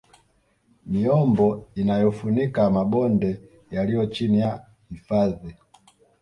Miombo inayofunika mabonde yaliyo chini ya hifadhi